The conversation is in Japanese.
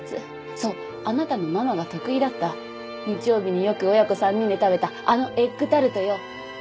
そうあなたのママが得意だった日曜日によく親子３人で食べたあのエッグタルトよ。